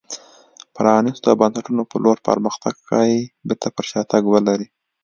پرانېستو بنسټونو په لور پرمختګ ښايي بېرته پر شا تګ ولري.